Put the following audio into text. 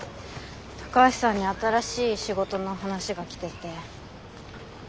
高橋さんに新しい仕事の話が来てて。